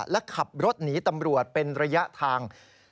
และขับรถหนีตำรวจเป็นระยะทาง